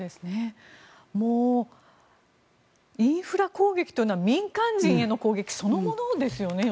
もうインフラ攻撃というのは民間人への攻撃そのものですよね。